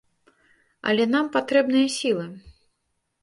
Але нам патрэбныя сілы.